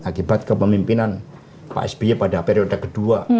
akibat kepemimpinan pak sby pada periode kedua